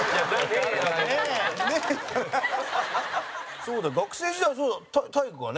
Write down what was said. そうだ、学生時代、体育がね。